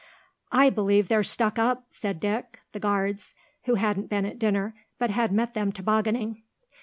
"I believe they're stuck up," said Dick (the Guards), who hadn't been at dinner, but had met them tobogganing.